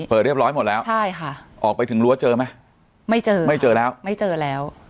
เปิดเรียบร้อยหมดแล้วใช่ค่ะออกไปถึงหลัวเจอไหมไม่เจอค่ะไม่เจอแล้ว